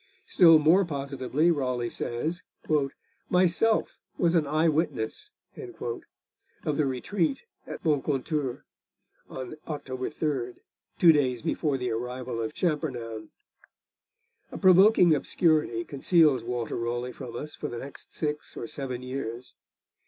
Still more positively Raleigh says, 'myself was an eye witness' of the retreat at Moncontour, on October 3, two days before the arrival of Champernoun. A provoking obscurity conceals Walter Raleigh from us for the next six or seven years.